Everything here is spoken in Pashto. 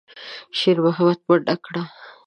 شېرمحمد منډه کړه.